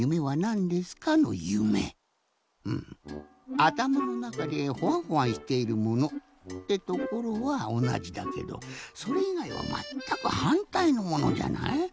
あたまのなかでホワンホワンしているものってところはおなじだけどそれいがいはまったくはんたいのものじゃない？